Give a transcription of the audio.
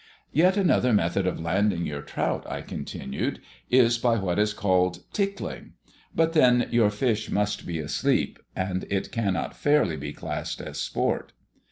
"Yet another method of landing your trout," I continued, "is by what is called 'tickling'; but then your fish must be asleep, and it cannot fairly be classed as sport."